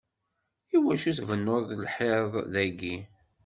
Iwacu tbennuḍ lḥiḍ dayi?